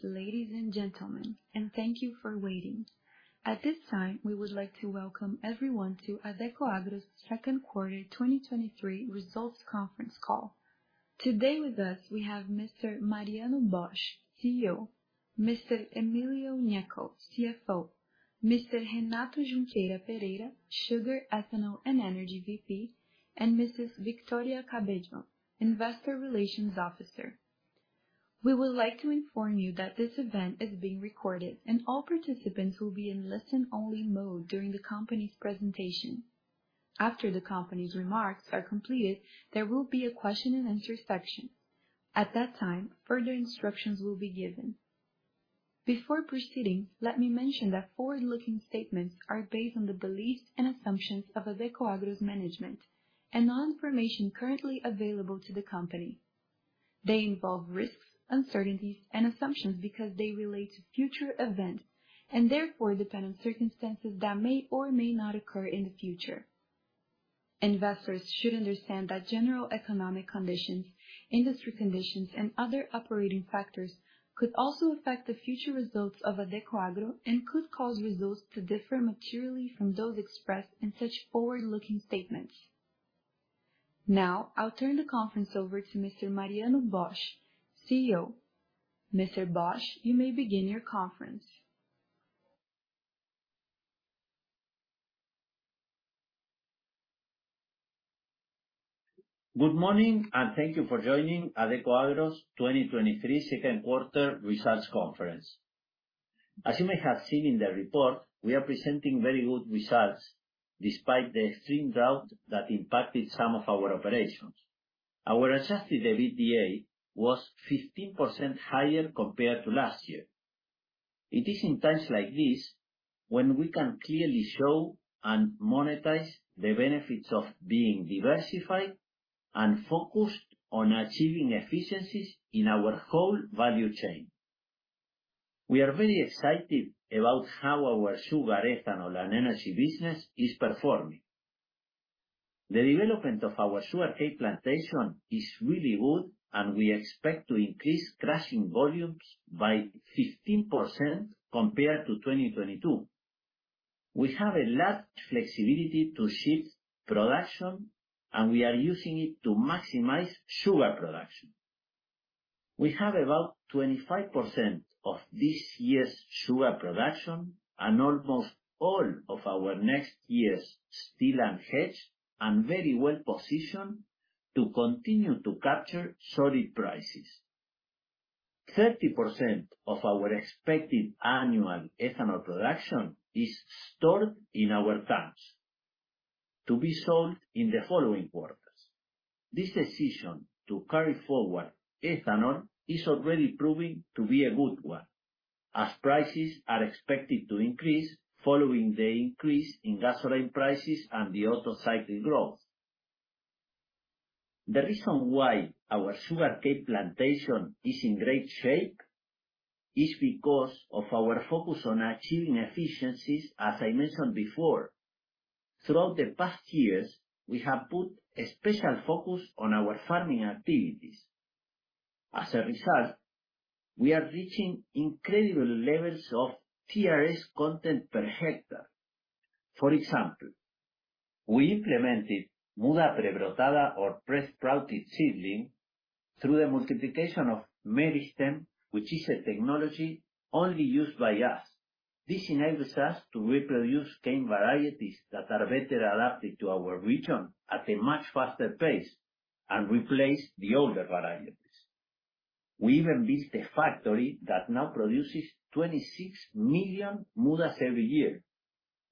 Good morning, ladies and gentlemen, thank you for waiting. At this time, we would like to welcome everyone to Adecoagro's second quarter 2023 results conference call. Today with us, we have Mr. Mariano Bosch, CEO, Mr. Emilio Gnecco, CFO, Mr. Renato Junqueira Pereira, Sugar, Ethanol, and Energy VP, and Mrs. Victoria Cabello, Investor Relations Officer. We would like to inform you that this event is being recorded, and all participants will be in listen-only mode during the company's presentation. After the company's remarks are completed, there will be a question and answer section. At that time, further instructions will be given. Before proceeding, let me mention that forward-looking statements are based on the beliefs and assumptions of Adecoagro's management and on information currently available to the company. They involve risks, uncertainties, and assumptions because they relate to future events, and therefore depend on circumstances that may or may not occur in the future. Investors should understand that general economic conditions, industry conditions, and other operating factors could also affect the future results of Adecoagro and could cause results to differ materially from those expressed in such forward-looking statements. Now, I'll turn the conference over to Mr. Mariano Bosch, CEO. Mr. Bosch, you may begin your conference. Good morning, and thank you for joining Adecoagro's 2023 second quarter results conference. As you may have seen in the report, we are presenting very good results despite the extreme drought that impacted some of our operations. Our adjusted EBITDA was 15% higher compared to last year. It is in times like this when we can clearly show and monetize the benefits of being diversified and focused on achieving efficiencies in our whole value chain. We are very excited about how our sugar, ethanol, and energy business is performing. The development of our sugarcane plantation is really good, and we expect to increase crushing volumes by 15% compared to 2022. We have a large flexibility to shift production, and we are using it to maximize sugar production. We have about 25% of this year's sugar production and almost all of our next year's still unhedged and very well positioned to continue to capture solid prices. 30% of our expected annual ethanol production is stored in our tanks to be sold in the following quarters. This decision to carry forward ethanol is already proving to be a good one, as prices are expected to increase following the increase in gasoline prices and the Otto cycle growth. The reason why our sugarcane plantation is in great shape is because of our focus on achieving efficiencies, as I mentioned before. Throughout the past years, we have put a special focus on our farming activities. As a result, we are reaching incredible levels of TRS content per hectare. For example, we implemented muda pré-brotada or pre-sprouted seedling through the multiplication of meristem, which is a technology only used by us. This enables us to reproduce cane varieties that are better adapted to our region at a much faster pace and replace the older varieties. We even built a factory that now produces 26 million mudas every year.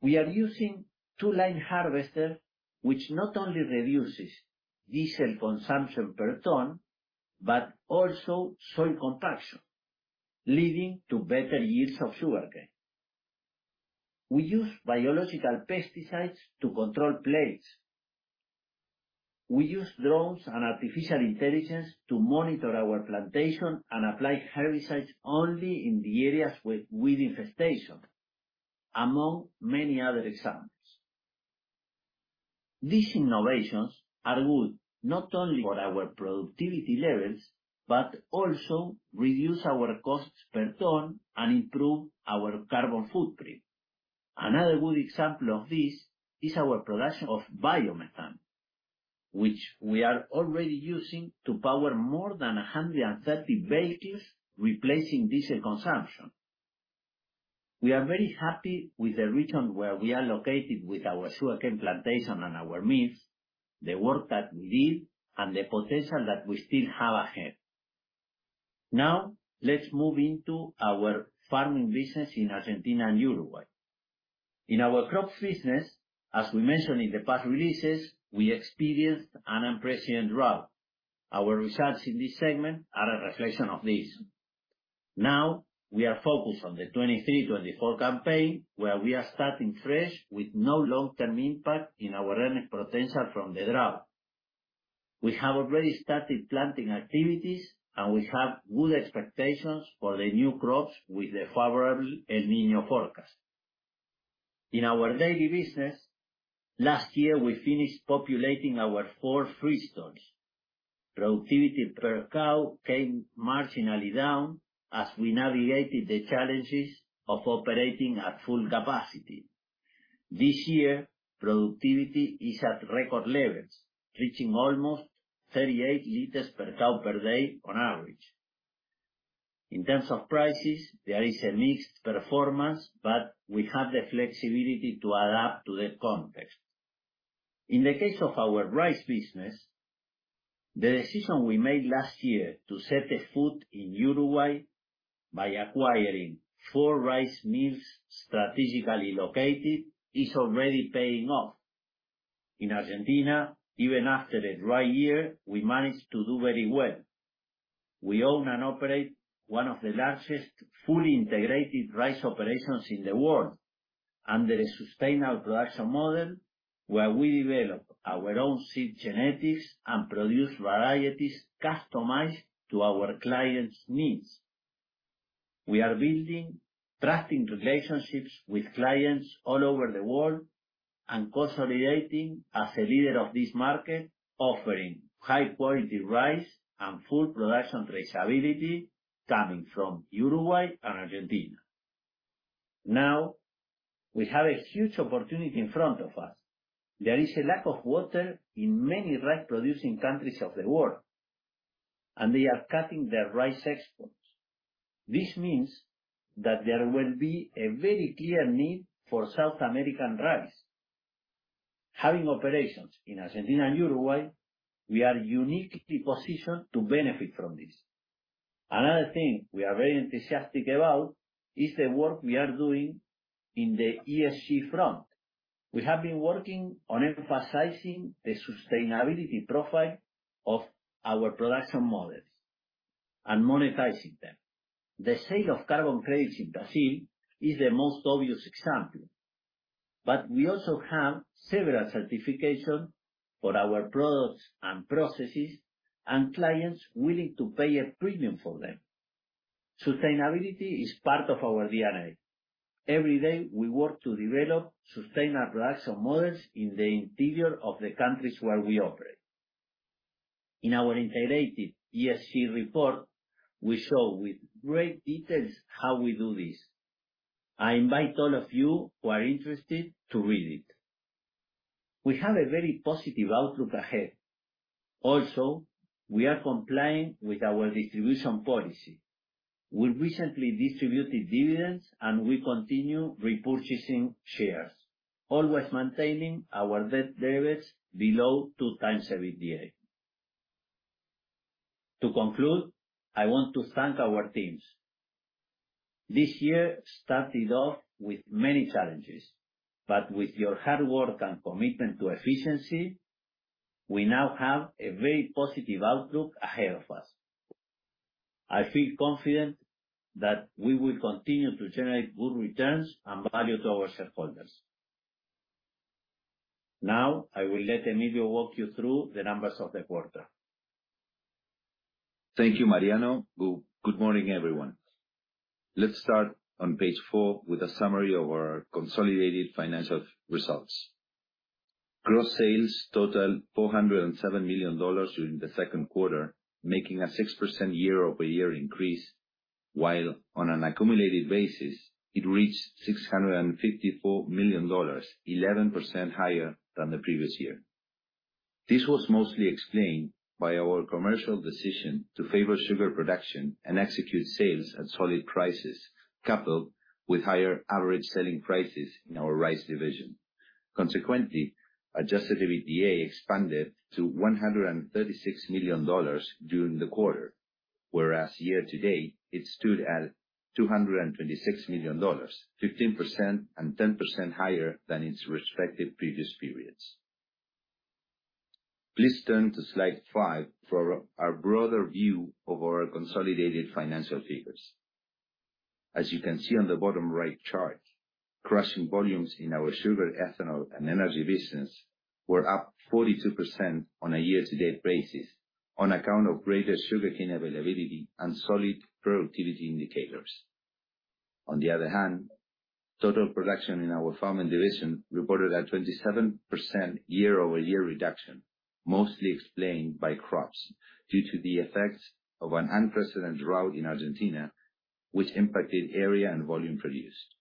We are using two line harvester, which not only reduces diesel consumption per ton, but also soil compaction, leading to better yields of sugarcane. We use biological pesticides to control plagues. We use drones and artificial intelligence to monitor our plantation and apply herbicides only in the areas with weed infestation, among many other examples. These innovations are good not only for our productivity levels, but also reduce our costs per ton and improve our carbon footprint. Another good example of this is our production of biomethane, which we are already using to power more than 130 vehicles, replacing diesel consumption. We are very happy with the region where we are located with our sugarcane plantation and our mills, the work that we did, and the potential that we still have ahead. Now, let's move into our farming business in Argentina and Uruguay. In our crops business, as we mentioned in the past releases, we experienced an unprecedented drought. Our results in this segment are a reflection of this. Now, we are focused on the 2023-2024 campaign, where we are starting fresh with no long-term impact in our earning potential from the drought. We have already started planting activities, and we have good expectations for the new crops with the favorable El Niño forecast. In our daily business, last year, we finished populating our four free stores. Productivity per cow came marginally down as we navigated the challenges of operating at full capacity. This year, productivity is at record levels, reaching almost 38 liters per cow per day on average. In terms of prices, there is a mixed performance, but we have the flexibility to adapt to the context. In the case of our rice business, the decision we made last year to set a foot in Uruguay by acquiring four rice mills strategically located, is already paying off. In Argentina, even after a dry year, we managed to do very well. We own and operate one of the largest fully integrated rice operations in the world, under a sustainable production model, where we develop our own seed genetics and produce varieties customized to our clients' needs. We are building trusting relationships with clients all over the world, and consolidating as a leader of this market, offering high quality rice and full production traceability coming from Uruguay and Argentina. Now, we have a huge opportunity in front of us. There is a lack of water in many rice-producing countries of the world, and they are cutting their rice exports. This means that there will be a very clear need for South American rice. Having operations in Argentina and Uruguay, we are uniquely positioned to benefit from this. Another thing we are very enthusiastic about is the work we are doing in the ESG front. We have been working on emphasizing the sustainability profile of our production models and monetizing them. The sale of carbon credits in Brazil is the most obvious example, but we also have several certifications for our products and processes, and clients willing to pay a premium for them. Sustainability is part of our DNA. Every day, we work to develop sustainable production models in the interior of the countries where we operate. In our integrated ESG report, we show with great details how we do this. I invite all of you who are interested to read it. We have a very positive outlook ahead. Also, we are complying with our distribution policy. We recently distributed dividends, and we continue repurchasing shares, always maintaining our debt leverage below two times EBITDA. To conclude, I want to thank our teams. This year started off with many challenges, but with your hard work and commitment to efficiency, we now have a very positive outlook ahead of us. I feel confident that we will continue to generate good returns and value to our shareholders. Now, I will let Emilio walk you through the numbers of the quarter. Thank you, Mariano. Good, good morning, everyone. Let's start on page four with a summary of our consolidated financial results. Gross sales totaled $407 million during the second quarter, making a 6% year-over-year increase, while on an accumulated basis, it reached $654 million, 11% higher than the previous year. This was mostly explained by our commercial decision to favor sugar production and execute sales at solid prices, coupled with higher average selling prices in our rice division. Consequently, adjusted EBITDA expanded to $136 million during the quarter, whereas year-to-date, it stood at $226 million, 15% and 10% higher than its respective previous periods. Please turn to slide 5 for a broader view of our consolidated financial figures. As you can see on the bottom right chart, crushing volumes in our sugar, ethanol, and energy business were up 42% on a year-to-date basis, on account of greater sugarcane availability and solid productivity indicators. On the other hand, total production in our farming division reported a 27% year-over-year reduction, mostly explained by crops, due to the effects of an unprecedented drought in Argentina, which impacted area and volume produced.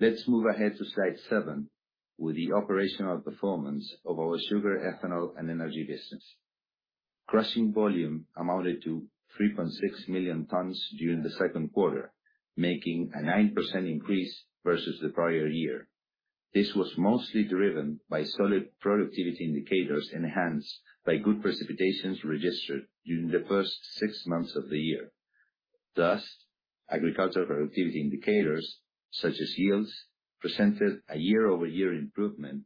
Let's move ahead to slide seven, with the operational performance of our sugar, ethanol, and energy business. Crushing volume amounted to 3.6 million tons during the second quarter, making a 9% increase versus the prior year. This was mostly driven by solid productivity indicators, enhanced by good precipitations registered during the first six months of the year. Thus, agricultural productivity indicators, such as yields, presented a year-over-year improvement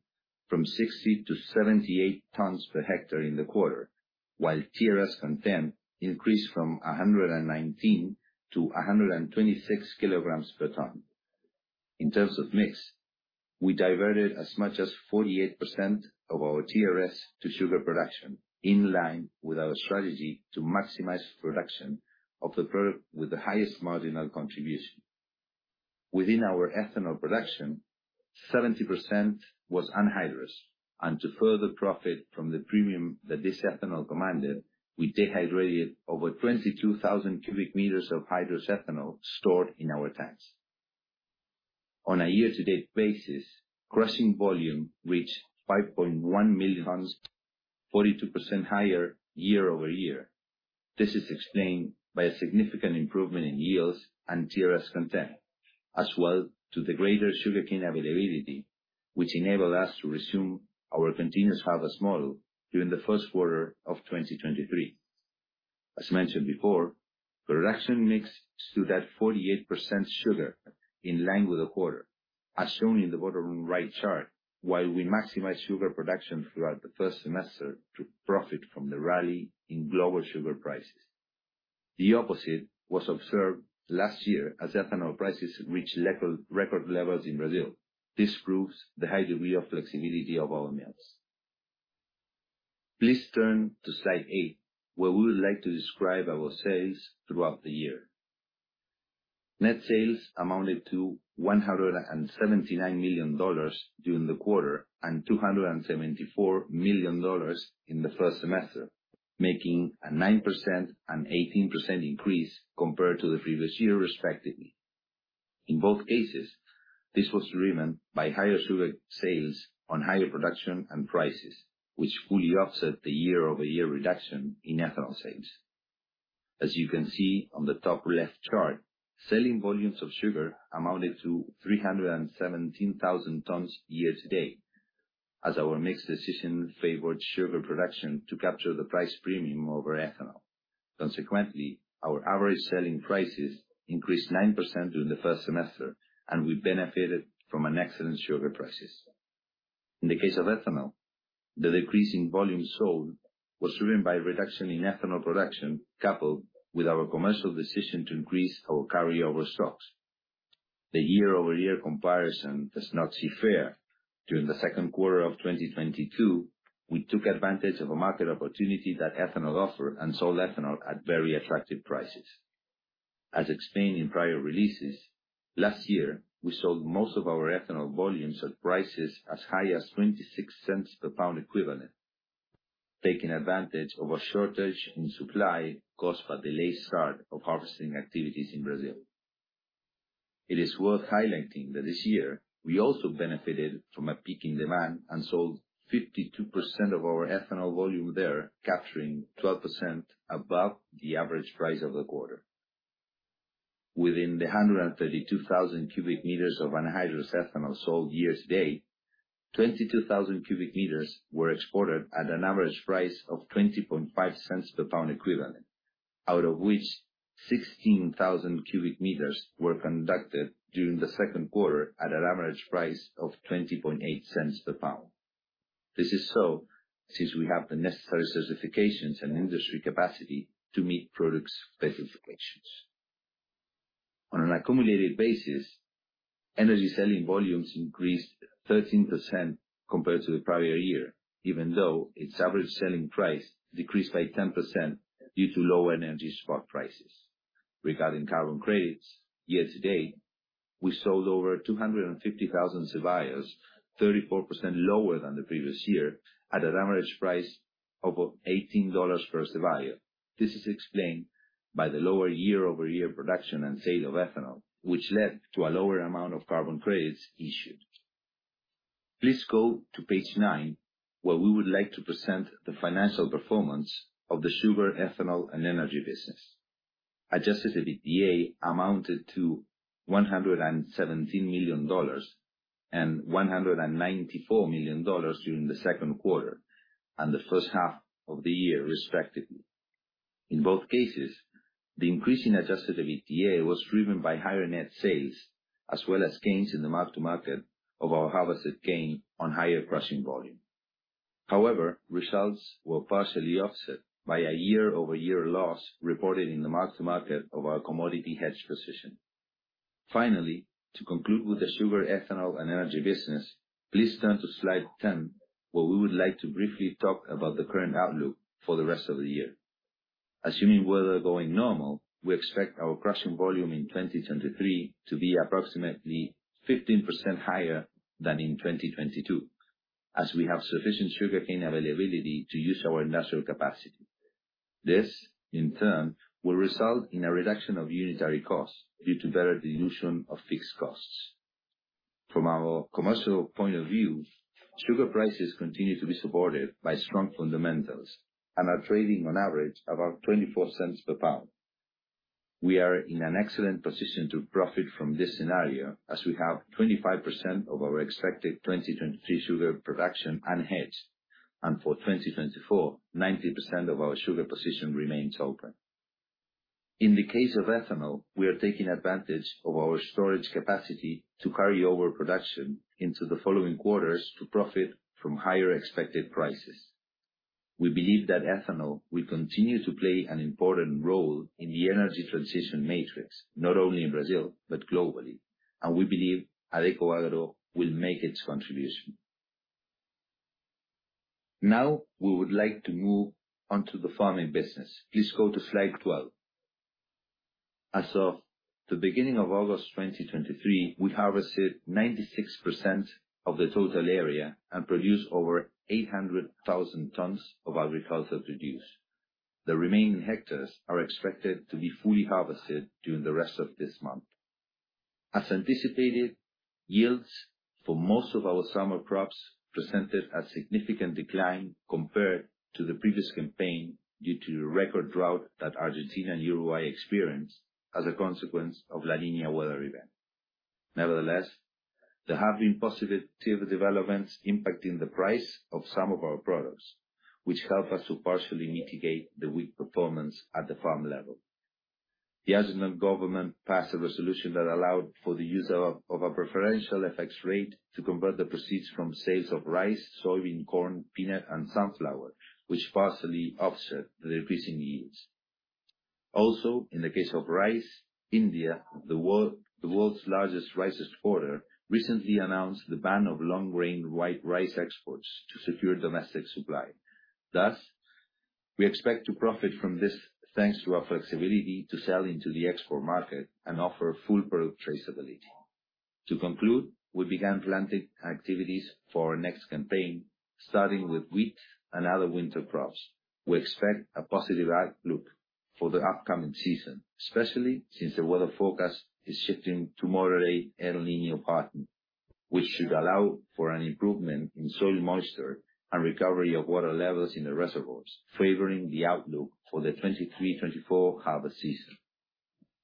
from 60 to 78 tons per hectare in the quarter, while TRS content increased from 119 to 126 kilograms per ton. In terms of mix, we diverted as much as 48% of our TRS to sugar production, in line with our strategy to maximize production of the product with the highest marginal contribution. Within our ethanol production, 70% was anhydrous, and to further profit from the premium that this ethanol commanded, we dehydrated over 22,000 cubic meters of hydrous ethanol stored in our tanks. On a year-to-date basis, crushing volume reached 5.1 million tons, 42% higher year-over-year. This is explained by a significant improvement in yields and TRS content, as well to the greater sugarcane availability, which enabled us to resume our continuous harvest model during the first quarter of 2023. As mentioned before, production mix stood at 48% sugar, in line with the quarter, as shown in the bottom right chart, while we maximize sugar production throughout the first semester to profit from the rally in global sugar prices. The opposite was observed last year, as ethanol prices reached record levels in Brazil. This proves the high degree of flexibility of our mills. Please turn to slide eight, where we would like to describe our sales throughout the year. Net sales amounted to $179 million during the quarter, and $274 million in the first semester, making a 9% and 18% increase compared to the previous year, respectively. In both cases, this was driven by higher sugar sales on higher production and prices, which fully offset the year-over-year reduction in ethanol sales. As you can see on the top left chart, selling volumes of sugar amounted to 317,000 tons year to date, as our mix decision favored sugar production to capture the price premium over ethanol. Consequently, our average selling prices increased 9% during the first semester, and we benefited from an excellent sugar prices. In the case of ethanol, the decrease in volume sold was driven by a reduction in ethanol production, coupled with our commercial decision to increase our carryover stocks. The year-over-year comparison does not see fair. During the second quarter of 2022, we took advantage of a market opportunity that ethanol offered and sold ethanol at very attractive prices. As explained in prior releases, last year, we sold most of our ethanol volumes at prices as high as $0.26 per pound equivalent, taking advantage of a shortage in supply caused by a delayed start of harvesting activities in Brazil. It is worth highlighting that this year we also benefited from a peak in demand and sold 52% of our ethanol volume there, capturing 12% above the average price of the quarter. Within the 132,000 cubic meters of anhydrous ethanol sold year to date, 22,000 cubic meters were exported at an average price of $0.205 per pound equivalent, out of which 16,000 cubic meters were conducted during the Q2 at an average price of $0.208 per pound. This is so, since we have the necessary certifications and industry capacity to meet products' specifications. On an accumulated basis, energy selling volumes increased 13% compared to the prior year, even though its average selling price decreased by 10% due to lower energy spot prices. Regarding carbon credits, year to date, we sold over 250,000 CBIOs, 34% lower than the previous year, at an average price of $18 per CBIO. This is explained by the lower year-over-year production and sale of ethanol, which led to a lower amount of carbon credits issued. Please go to page nine, where we would like to present the financial performance of the sugar, ethanol, and energy business. Adjusted EBITDA amounted to $117 million and $194 million during the second quarter and the first half of the year, respectively. In both cases, the increase in adjusted EBITDA was driven by higher net sales, as well as gains in the mark-to-market of our harvested cane on higher crushing volume. Results were partially offset by a year-over-year loss reported in the mark-to-market of our commodity hedge position. Finally, to conclude with the sugar, ethanol, and energy business, please turn to slide 10, where we would like to briefly talk about the current outlook for the rest of the year. Assuming weather going normal, we expect our crushing volume in 2023 to be approximately 15% higher than in 2022, as we have sufficient sugarcane availability to use our natural capacity. This, in turn, will result in a reduction of unitary costs due to better dilution of fixed costs. From our commercial point of view, sugar prices continue to be supported by strong fundamentals and are trading on average, about $0.24 per pound. We are in an excellent position to profit from this scenario, as we have 25% of our expected 2023 sugar production unhedged, and for 2024, 90% of our sugar position remains open. In the case of ethanol, we are taking advantage of our storage capacity to carry over production into the following quarters to profit from higher expected prices. We believe that ethanol will continue to play an important role in the energy transition matrix, not only in Brazil, but globally, and we believe Adecoagro will make its contribution. We would like to move on to the farming business. Please go to slide 12. As of the beginning of August 2023, we harvested 96% of the total area and produced over 800,000 tons of agricultural produce. The remaining hectares are expected to be fully harvested during the rest of this month. As anticipated, yields for most of our summer crops presented a significant decline compared to the previous campaign due to the record drought that Argentina and Uruguay experienced as a consequence of La Niña weather event. Nevertheless, there have been positive developments impacting the price of some of our products, which help us to partially mitigate the weak performance at the farm level. The Argentinian government passed a resolution that allowed for the use of a preferential FX rate to convert the proceeds from sales of rice, soybean, corn, peanut, and sunflower, which partially offset the decrease in yields. Also, in the case of rice, India, the world's largest rice exporter, recently announced the ban of long-grain white rice exports to secure domestic supply. Thus, we expect to profit from this, thanks to our flexibility to sell into the export market and offer full product traceability. To conclude, we began planting activities for our next campaign, starting with wheat and other winter crops. We expect a positive outlook for the upcoming season, especially since the weather forecast is shifting to moderate El Niño pattern, which should allow for an improvement in soil moisture and recovery of water levels in the reservoirs, favoring the outlook for the 2023/2024 harvest season.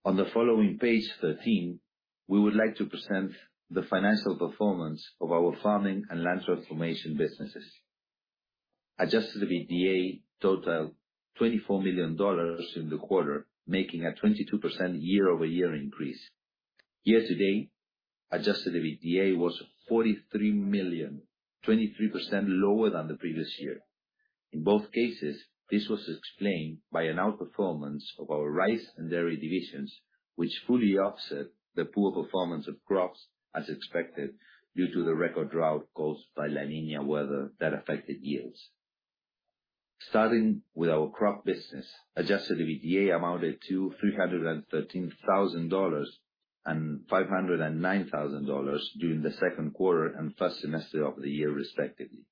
On the following page 13, we would like to present the financial performance of our farming and land transformation businesses. Adjusted EBITDA totaled $24 million in the quarter, making a 22% year-over-year increase. Year-to-date, adjusted EBITDA was $43 million, 23% lower than the previous year. In both cases, this was explained by an outperformance of our rice and dairy divisions, which fully offset the poor performance of crops, as expected, due to the record drought caused by La Niña weather that affected yields. Starting with our crop business, Adjusted EBITDA amounted to $313,000 and $509,000 during the second quarter and first semester of the year, respectively.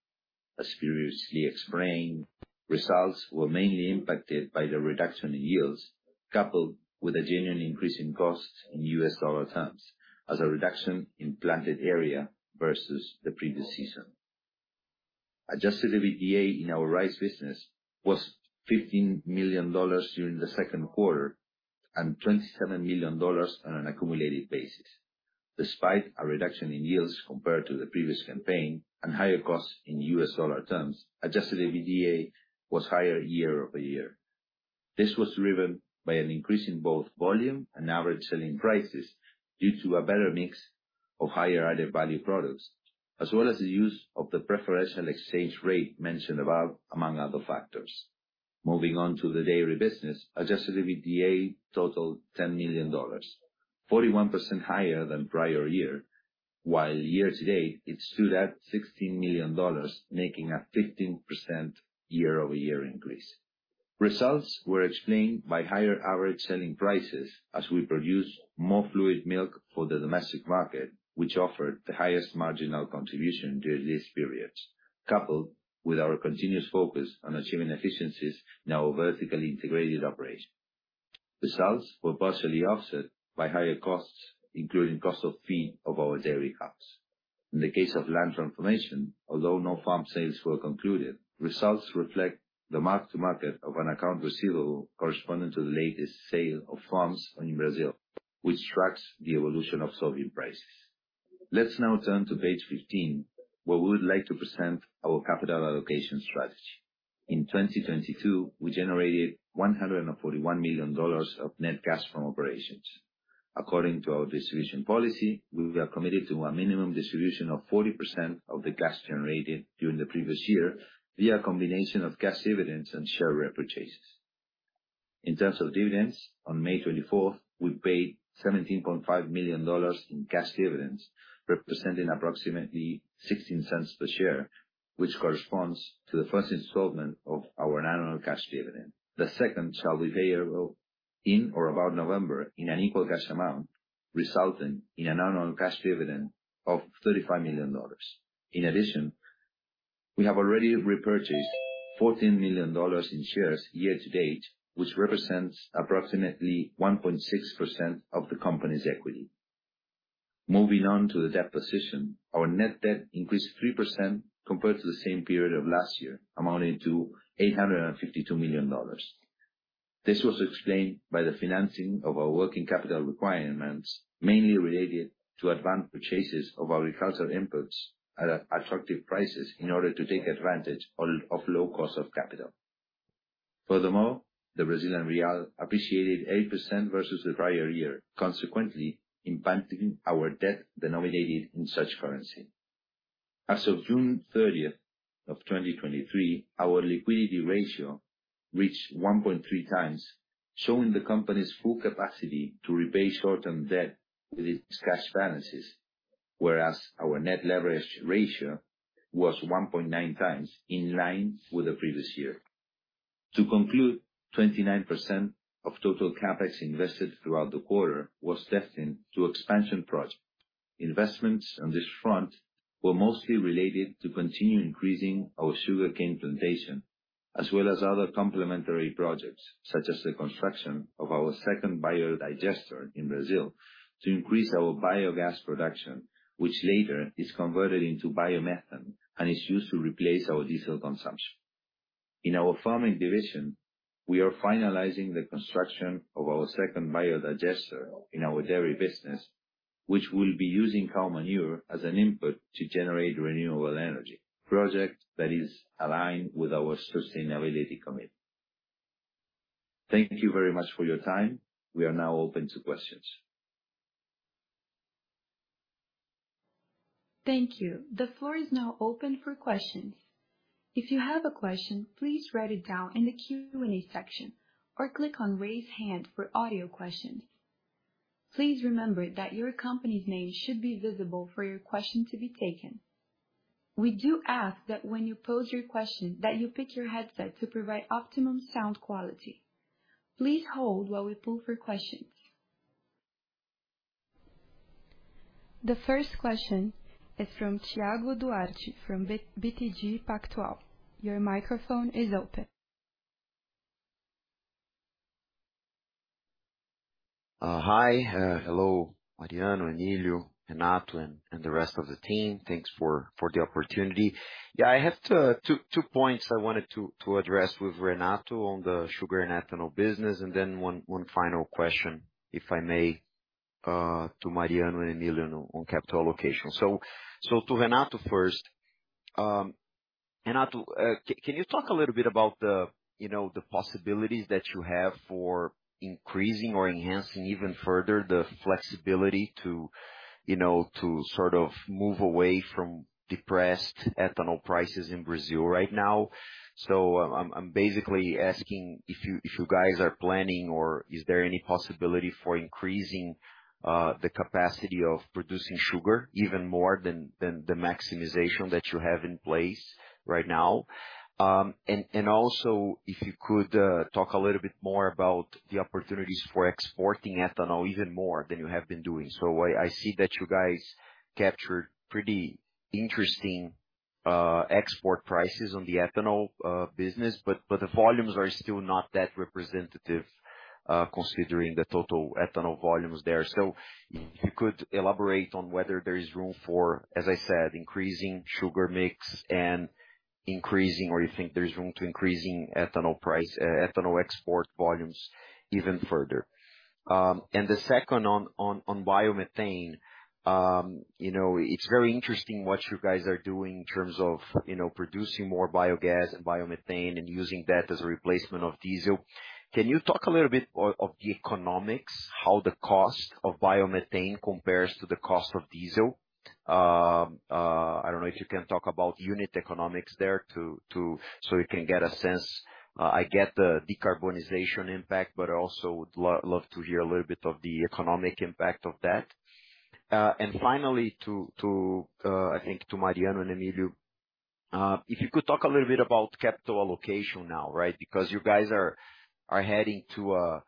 As previously explained, results were mainly impacted by the reduction in yields, coupled with a genuine increase in costs in U.S. dollar terms, as a reduction in planted area versus the previous season. Adjusted EBITDA in our rice business was $15 million during the second quarter, and $27 million on an accumulated basis. Despite a reduction in yields compared to the previous campaign and higher costs in U.S. dollar terms, adjusted EBITDA was higher year-over-year. This was driven by an increase in both volume and average selling prices due to a better mix of higher added-value products, as well as the use of the preferential exchange rate mentioned above, among other factors. Moving on to the dairy business, adjusted EBITDA totaled $10 million, 41% higher than prior year, while year to date, it stood at $16 million, making a 15% year-over-year increase. Results were explained by higher average selling prices as we produced more fluid milk for the domestic market, which offered the highest marginal contribution during this period, coupled with our continuous focus on achieving efficiencies in our vertically integrated operation. Results were partially offset by higher costs, including cost of feed of our dairy cows. In the case of land transformation, although no farm sales were concluded, results reflect the mark-to-market of an account receivable corresponding to the latest sale of farms in Brazil, which tracks the evolution of soybean prices. Let's now turn to page 15, where we would like to present our capital allocation strategy. In 2022, we generated $141 million of net cash from operations. According to our distribution policy, we are committed to a minimum distribution of 40% of the cash generated during the previous year via a combination of cash dividends and share repurchases. In terms of dividends, on May 24th, we paid $17.5 million in cash dividends, representing approximately $0.16 per share, which corresponds to the first installment of our annual cash dividend. The second shall be payable in or about November in an equal cash amount, resulting in an annual cash dividend of $35 million. In addition, we have already repurchased $14 million in shares year to date, which represents approximately 1.6% of the company's equity. Moving on to the debt position, our net debt increased 3% compared to the same period of last year, amounting to $852 million. This was explained by the financing of our working capital requirements, mainly related to advanced purchases of agricultural inputs at attractive prices in order to take advantage of low cost of capital. Furthermore, the Brazilian real appreciated 8% versus the prior year, consequently impacting our debt denominated in such currency. As of June 30, 2023, our liquidity ratio reached 1.3 times, showing the company's full capacity to repay short-term debt with its cash balances, whereas our net leverage ratio was 1.9 times in line with the previous year. To conclude, 29% of total CapEx invested throughout the quarter was destined to expansion projects. Investments on this front were mostly related to continue increasing our sugarcane plantation, as well as other complementary projects, such as the construction of our second biodigester in Brazil to increase our biogas production, which later is converted into biomethane and is used to replace our diesel consumption. In our farming division, we are finalizing the construction of our second biodigester in our dairy business, which will be using cow manure as an input to generate renewable energy, project that is aligned with our sustainability commitment. Thank you very much for your time. We are now open to questions. Thank you. The floor is now open for questions. If you have a question, please write it down in the Q&A section or click on Raise Hand for audio questions. Please remember that your company's name should be visible for your question to be taken. We do ask that when you pose your question, that you pick your headset to provide optimum sound quality. Please hold while we pull for questions. The first question is from Thiago Duarte, from BTG Pactual. Your microphone is open. Hello, Mariano, Emilio, Renato, and the rest of the team. Thanks for the opportunity. I have two points I wanted to address with Renato on the sugar and ethanol business, and then one final question, if I may, to Mariano and Emilio on capital allocation. To Renato first. Renato, can you talk a little bit about the, you know, the possibilities that you have for increasing or enhancing even further, the flexibility to, you know, to sort of move away from depressed ethanol prices in Brazil right now? I'm basically asking if you guys are planning or is there any possibility for increasing the capacity of producing sugar even more than the maximization that you have in place right now? Also, if you could talk a little bit more about the opportunities for exporting ethanol even more than you have been doing. I, I see that you guys captured pretty interesting export prices on the ethanol business, but, but the volumes are still not that representative considering the total ethanol volumes there. If you could elaborate on whether there is room for, as I said, increasing sugar mix and increasing, or you think there's room to increasing ethanol price, ethanol export volumes even further. The second on, on, on biomethane. You know, it's very interesting what you guys are doing in terms of, you know, producing more biogas and biomethane and using that as a replacement of diesel. Can you talk a little bit of the economics, how the cost of biomethane compares to the cost of diesel? I don't know if you can talk about unit economics there so we can get a sense. I get the decarbonization impact, but I also would love to hear a little bit of the economic impact of that. Finally, I think to Mariano and Emilio, if you could talk a little bit about capital allocation now, right? You guys are heading to a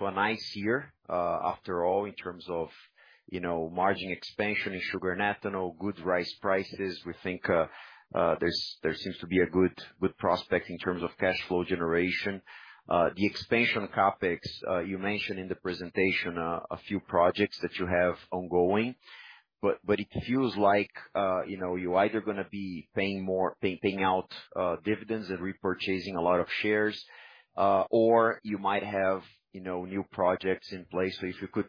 nice year, after all, in terms of, you know, margin expansion in sugar and ethanol, good rice prices. We think there seems to be a good, good prospect in terms of cash flow generation. The expansion CapEx, you mentioned in the presentation, a few projects that you have ongoing, but, but it feels like, you know, you're either gonna be paying more, paying, paying out, dividends and repurchasing a lot of shares, or you might have, you know, new projects in place. If you could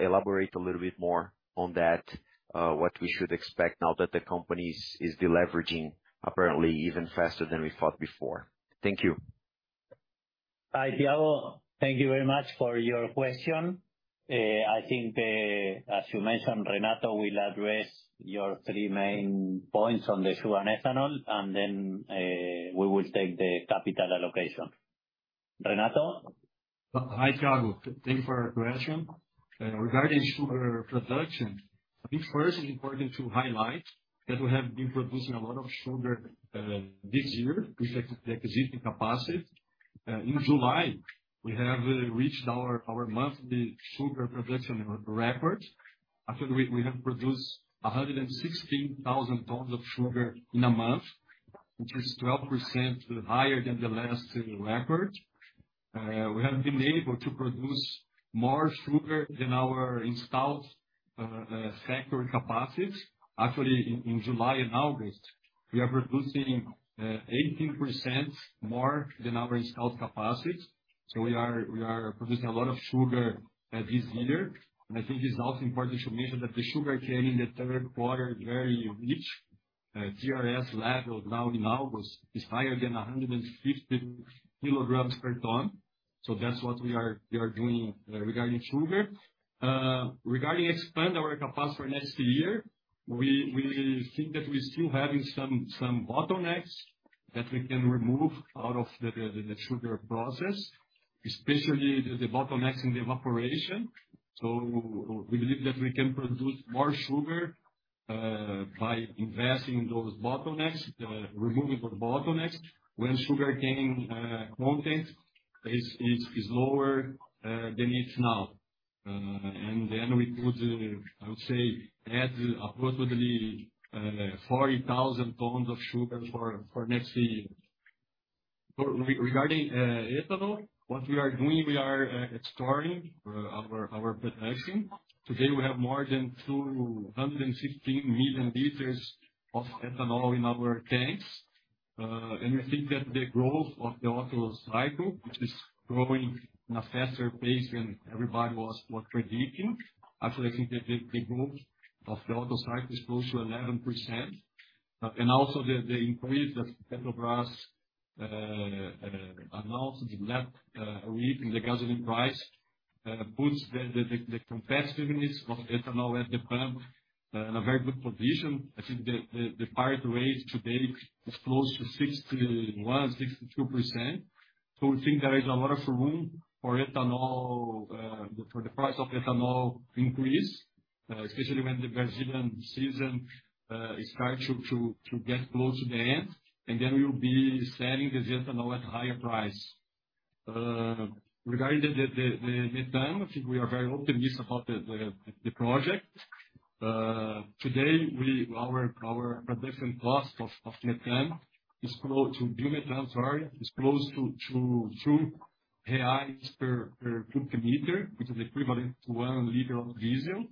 elaborate a little bit more on that, what we should expect now that the company is, is deleveraging, apparently even faster than we thought before. Thank you. Hi, Thiago. Thank you very much for your question. I think, as you mentioned, Renato will address your three main points on the sugar and ethanol, and then, we will take the capital allocation. Renato? Hi, Thiago. Thank you for your question. Regarding sugar production, I think first it's important to highlight that we have been producing a lot of sugar this year with the existing capacity. In July, we have reached our monthly sugar production record. Actually, we have produced 116,000 tons of sugar in a month, which is 12% higher than the last record. We have been able to produce more sugar than our installed factory capacity. Actually, in July and August, we are producing 18% more than our installed capacity. We are producing a lot of sugar this year. I think it's also important to mention that the sugar cane in the third quarter is very rich. TRS level now in August is higher than 150 kilograms per ton. That's what we are, we are doing regarding sugar. Regarding expand our capacity for next year, we, we think that we're still having some, some bottlenecks that we can remove out of the, the, the sugar process, especially the, the bottlenecks in the evaporation. We believe that we can produce more sugar by investing those bottlenecks, removing the bottlenecks, when sugar cane content is lower than it's now. And then we could, I would say, add approximately 40,000 tons of sugar for next year. Regarding ethanol, what we are doing, we are storing our, our production. Today, we have more than 216 million liters of ethanol in our tanks. We think that the growth of the auto cycle, which is growing in a faster pace than everybody was, was predicting, actually, I think that the growth of the auto cycle is close to 11%. Also the increase that Petrobras announced last week in the gasoline price boosts the competitiveness of ethanol at the pump in a very good position. I think the current rate today is close to 61%-62%. We think there is a lot of room for ethanol for the price of ethanol increase, especially when the Brazilian season starts to get close to the end, and then we will be selling the ethanol at higher price. Regarding the methane, I think we are very optimistic about the project. Today, our, our production cost of, of methane is close to, biomethane, sorry, is close to 2 reais per, per cubic meter, which is equivalent to 1 liter of diesel.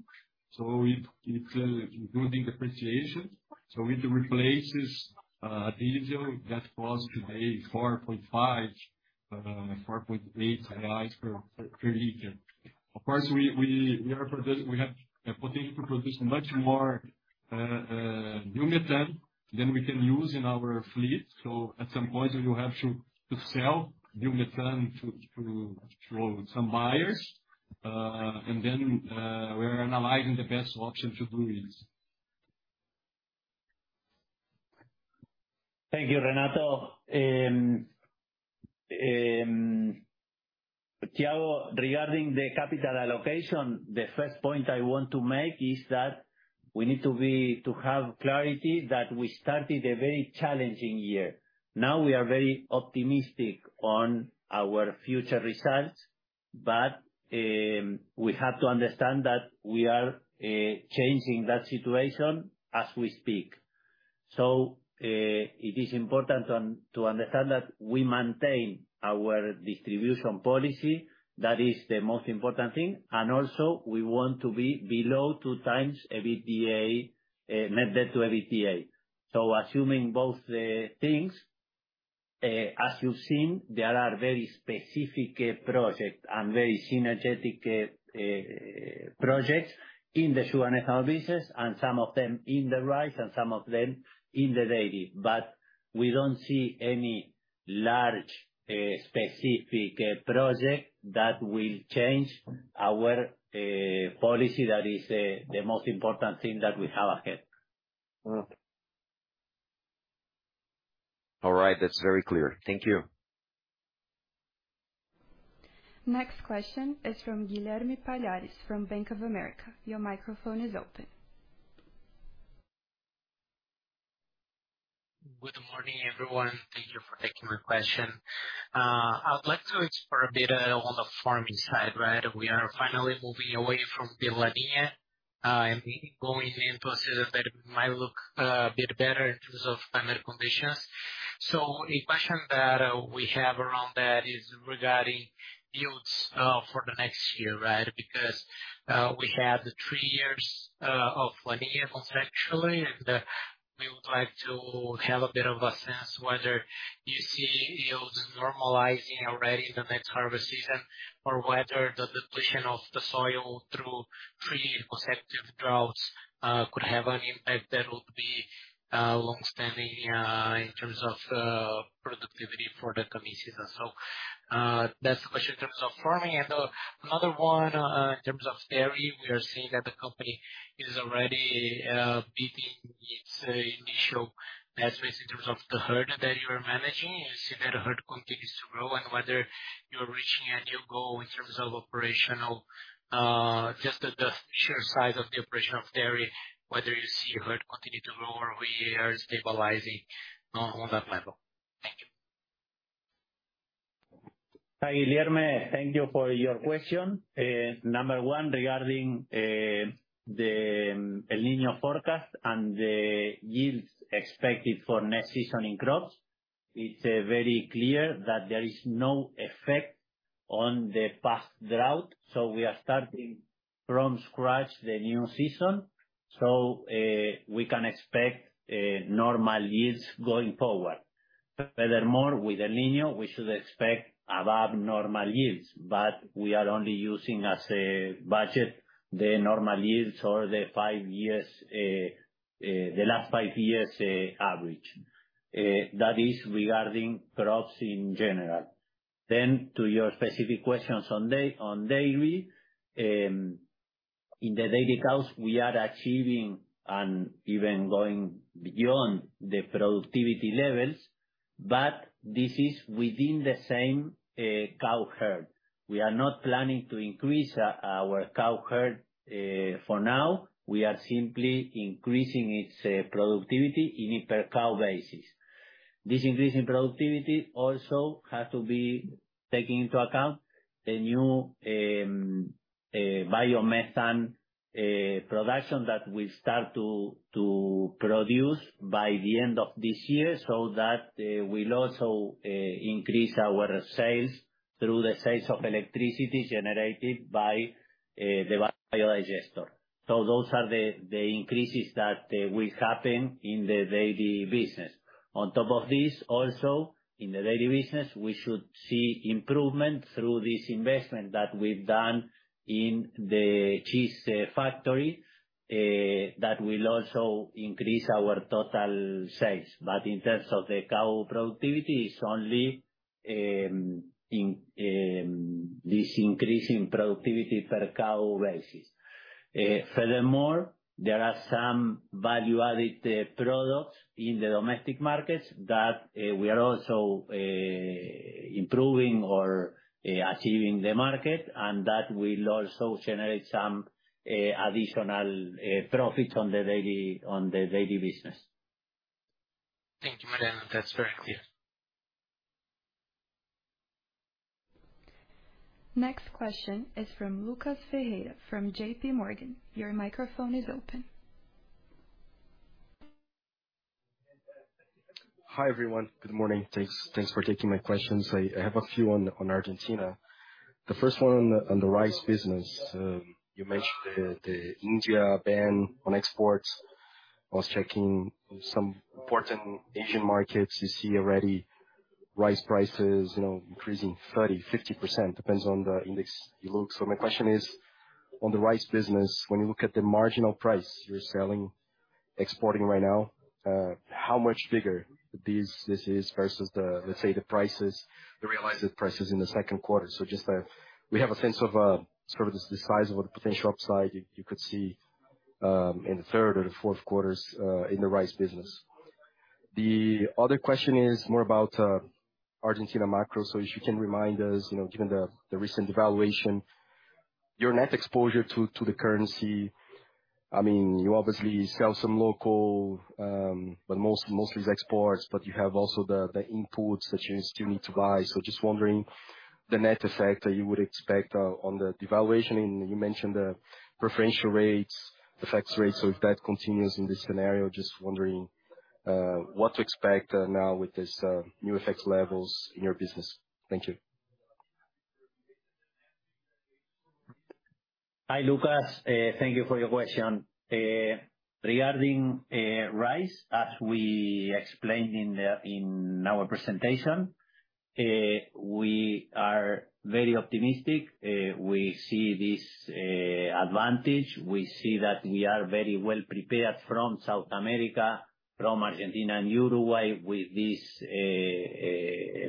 It, it's, including depreciation. It replaces diesel that costs today 4.5, 4.8 reais per, per liter. Of course, we, we, we have the potential to produce much more biomethane than we can use in our fleet. At some point, we will have to, to sell biomethane to some buyers. Then, we are analyzing the best option to do this. Thank you, Renato. Thiago, regarding the capital allocation, the first point I want to make is that we need to have clarity that we started a very challenging year. Now, we are very optimistic on our future results, but we have to understand that we are changing that situation as we speak. It is important to understand that we maintain our distribution policy. That is the most important thing, and also we want to be below 2 times EBITDA, net debt to EBITDA. Assuming both things, as you've seen, there are very specific project and very synergetic projects in the sugar and ethanol business, and some of them in the rice, and some of them in the dairy. We don't see any large specific project that will change our policy. That is the most important thing that we have ahead. Mm. All right. That's very clear. Thank you. Next question is from Guilherme Palhares, from Bank of America. Your microphone is open. Good morning, everyone. Thank you for taking my question. I would like to explore a bit on the farming side, right? We are finally moving away from the La Niña and going into a season that might look a bit better in terms of climate conditions. A question that we have around that is regarding yields for the next year, right? Because we had three years of La Niña, conceptually, and we would like to have a bit of a sense whether you see yields normalizing already in the next harvest season, or whether the depletion of the soil through three consecutive droughts could have an impact that would be longstanding in terms of productivity for the coming season. That's the question in terms of farming. Another one, in terms of dairy, we are seeing that the company is already beating its initial pathways in terms of the herd that you are managing. You see that herd continues to grow, and whether you're reaching a new goal in terms of operational, just the sheer size of the operation of dairy, whether you see herd continue to grow or we are stabilizing on that level. Thank you. Hi, Guilherme. Thank you for your question. number one, regarding the El Niño forecast and the yields expected for next season in crops, it's very clear that there is no effect on the past drought, so we are starting from scratch the new season, so we can expect normal yields going forward. Furthermore, with El Niño, we should expect above normal yields, but we are only using as a budget, the normal yields or the five years, the last five years, average. That is regarding crops in general. To your specific questions on dairy, in the dairy cows, we are achieving and even going beyond the productivity levels, but this is within the same cow herd. We are not planning to increase our cow herd for now. We are simply increasing its productivity in a per cow basis. This increase in productivity also has to be taking into account the new biomethane production that we start to produce by the end of this year, so that will also increase our sales through the sales of electricity generated by the biodigester. Those are the increases that will happen in the dairy business. On top of this, also, in the dairy business, we should see improvement through this investment that we've done in the cheese factory that will also increase our total sales. In terms of the cow productivity, it's only in this increase in productivity per cow basis. Furthermore, there are some value-added products in the domestic markets that we are also improving or achieving the market, and that will also generate some additional profits on the dairy, on the dairy business. Thank you, Mariano. That's very clear. Next question is from Lucas Ferreira from JP Morgan. Your microphone is open. Hi, everyone. Good morning. Thanks, thanks for taking my questions. I, I have a few on, on Argentina. The first one on the, on the rice business. You mentioned the, the India ban on exports. I was checking some important Asian markets, you see already rice prices, you know, increasing 30%-50%, depends on the index you look. My question is, on the rice business, when you look at the marginal price you're selling, exporting right now, how much bigger this, this is versus the, let's say, the prices, the realized prices in the second quarter? Just, we have a sense of, sort of the, the size of the potential upside you, you could see, in the third or the fourth quarters, in the rice business. The other question is more about, Argentina macro. If you can remind us, you know, given the, the recent devaluation, your net exposure to, to the currency, I mean, you obviously sell some local, but most, mostly is exports, but you have also the, the imports that you still need to buy. Just wondering the net effect that you would expect on the devaluation, and you mentioned the preferential rates, the tax rate. If that continues in this scenario, just wondering what to expect now with this new FX levels in your business. Thank you. Hi, Lucas. Thank you for your question. Regarding rice, as we explained in the, in our presentation, we are very optimistic. We see this advantage. We see that we are very well prepared from South America, from Argentina and Uruguay, with this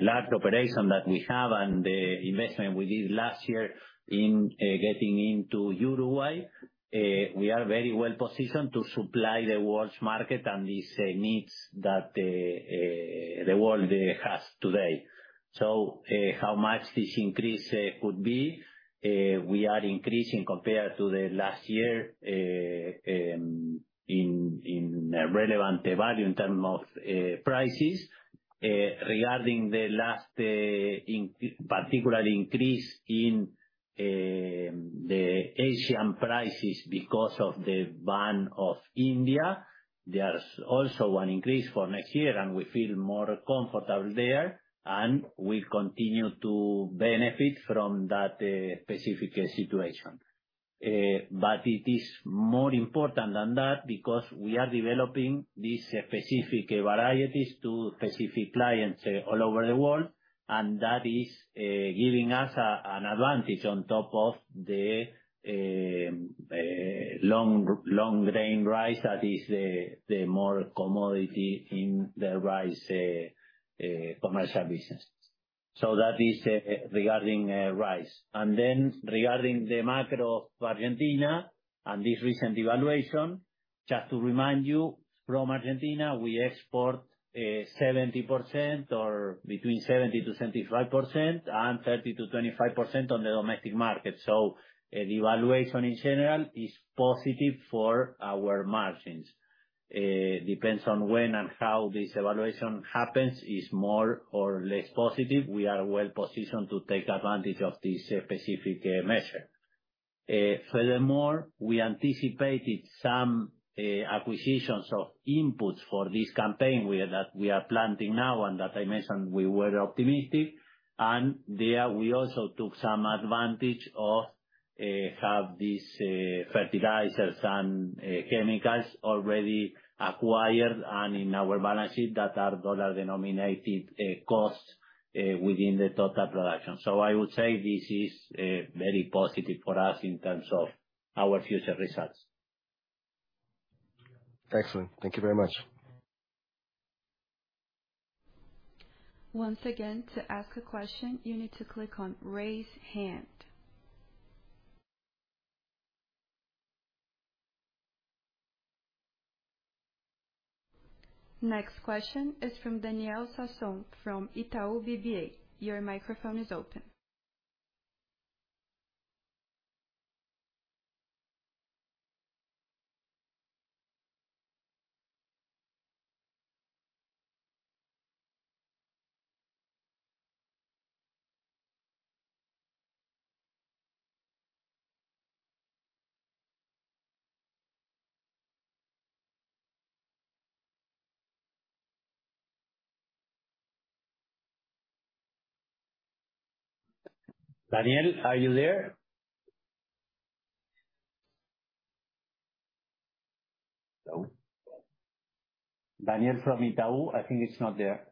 large operation that we have and the investment we did last year in getting into Uruguay. We are very well positioned to supply the world's market and these needs that the world has today. How much this increase could be? We are increasing compared to the last year, in relevant value in term of prices. Regarding the last particular increase in the Asian prices because of the ban of India, there's also an increase for next year, and we feel more comfortable there, and we continue to benefit from that specific situation. It is more important than that because we are developing these specific varieties to specific clients all over the world, and that is giving us an advantage on top of the long, long-grain rice that is the the more commodity in the rice commercial business. That is regarding rice. Regarding the macro of Argentina and this recent devaluation, just to remind you, from Argentina, we export 70% or between 70%-75%, and 30%-25% on the domestic market. The devaluation in general is positive for our margins. Depends on when and how this evaluation happens, is more or less positive. We are well positioned to take advantage of this specific measure. Furthermore, we anticipated some acquisitions of inputs for this campaign we are, that we are planting now, and that I mentioned we were optimistic, and there we also took some advantage of-... have these fertilizers and chemicals already acquired and in our balance sheet, that are dollar denominated costs within the total production. I would say this is very positive for us in terms of our future results. Excellent. Thank you very much. Once again, to ask a question, you need to click on Raise Hand. Next question is from Daniel Sasson, from Itaú BBA. Your microphone is open. Daniel, are you there? Hello? Daniel from Itaú, I think he's not there.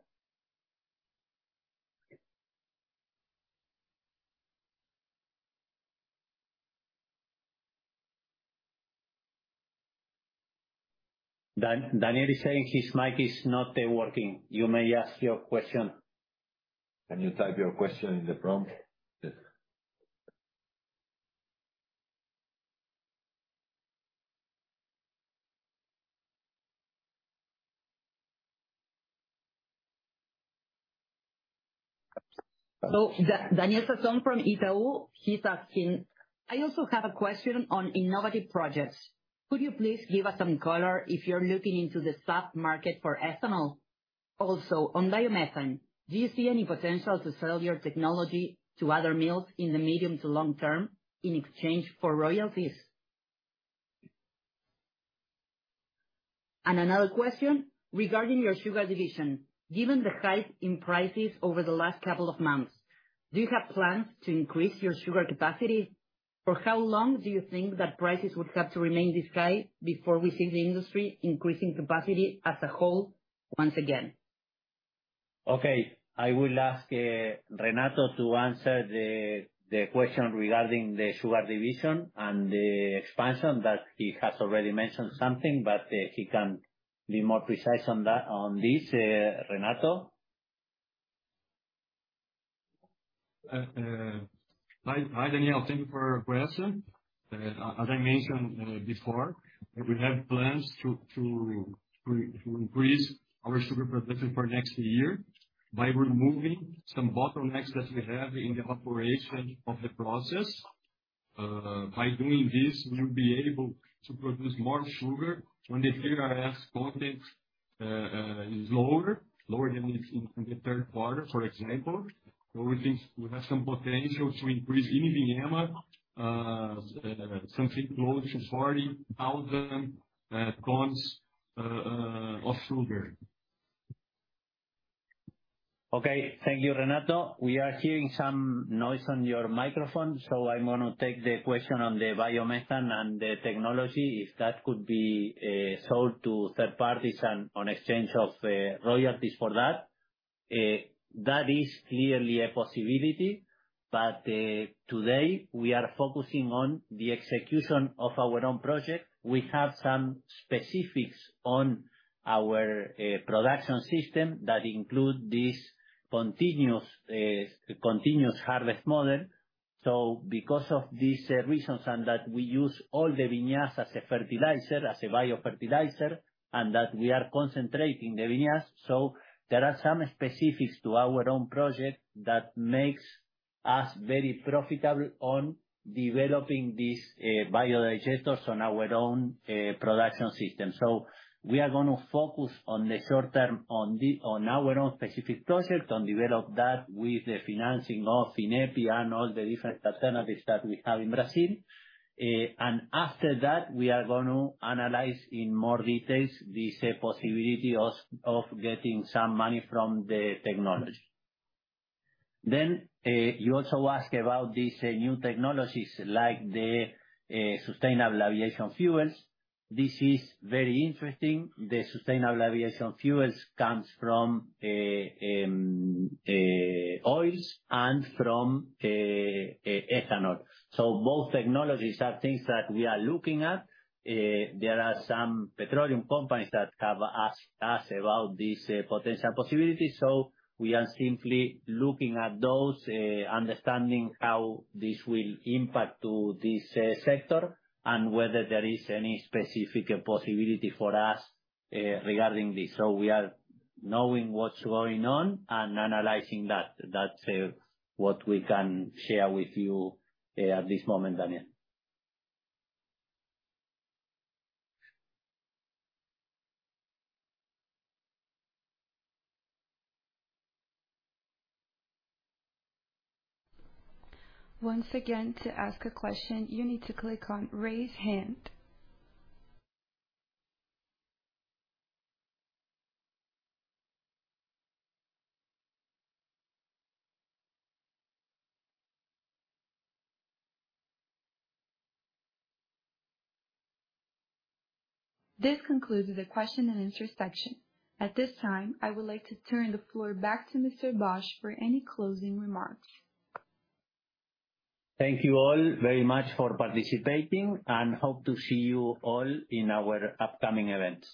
Daniel is saying his mic is not working. You may ask your question. Can you type your question in the prompt? Yes. Daniel Sasson from Itaú, he's asking, I also have a question on innovative projects. Could you please give us some color, if you're looking into the spot market for ethanol? Also, on biomethane, do you see any potential to sell your technology to other mills in the medium to long term, in exchange for royalties? Another question, regarding your sugar division, given the hike in prices over the last couple of months, do you have plans to increase your sugar capacity? For how long do you think that prices would have to remain this high, before we see the industry increasing capacity as a whole once again? Okay, I will ask Renato to answer the question regarding the sugar division and the expansion, that he has already mentioned something, but he can be more precise on that, on this, Renato. Hi, hi, Daniel, thank you for your question. As I mentioned, before, we have plans to, to, to, to increase our sugar production for next year, by removing some bottlenecks that we have in the operation of the process. By doing this, we will be able to produce more sugar when the sugar TRS content is lower, lower than it is in the third quarter, for example. We think we have some potential to increase in Ivinhema, something close to 40,000 tons of sugar. Okay. Thank you, Renato. We are hearing some noise on your microphone, so I'm gonna take the question on the biomethane and the technology, if that could be sold to third parties, on exchange of royalties for that. That is clearly a possibility, today, we are focusing on the execution of our own project. We have some specifics on our production system, that include this continuous continuous harvest model. Because of these reasons, and that we use all the vinasse as a fertilizer, as a biofertilizer, that we are concentrating the vinasse, there are some specifics to our own project, that makes us very profitable on developing these biodigestors on our own production system. We are going to focus on the short term, on our own specific project, and develop that with the financing of Finep and all the different alternatives that we have in Brazil. After that, we are going to analyze in more details, the possibility of getting some money from the technology. You also ask about these new technologies, like the sustainable aviation fuels. This is very interesting. The sustainable aviation fuels comes from oils and from ethanol. Both technologies are things that we are looking at. There are some petroleum companies that have asked us about this potential possibility, so we are simply looking at those, understanding how this will impact to this sector, and whether there is any specific possibility for us regarding this. We are knowing what's going on and analyzing that. That's what we can share with you at this moment, Daniel. Once again, to ask a question, you need to click on Raise Hand. This concludes the question and answer section. At this time, I would like to turn the floor back to Mr. Bosch for any closing remarks. Thank you all very much for participating, and hope to see you all in our upcoming events.